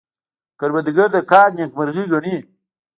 کروندګر د کار نیکمرغي ګڼي